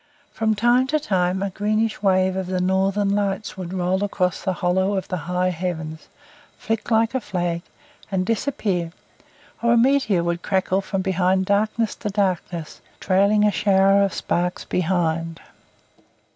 From time to time a greenish wave of the Northern Lights would roll across the hollow of the high heavens, flick like a flag, and disappear; or a meteor would crackle from darkness to darkness, trailing a shower of sparks behind.